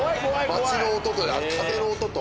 街の音と風の音と。